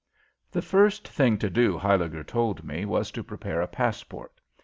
The first thing to do, Huyliger told me, was to prepare a passport.